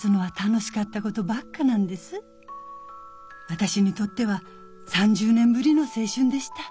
私にとっては３０年ぶりの青春でした。